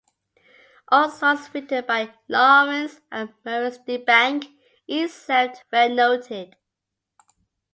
All songs written by Lawrence and Maurice Deebank, except where noted.